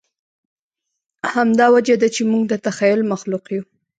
همدا وجه ده، چې موږ د تخیل مخلوق یو.